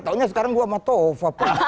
taunya sekarang gue sama tova